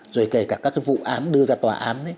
rồi kể cả các vụ án đưa ra tòa án